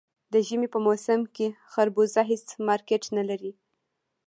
د ژمي په موسم کې خربوزه هېڅ مارکېټ نه لري.